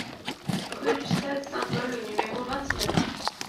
Rue du Stade Saint-Paul au numéro vingt-neuf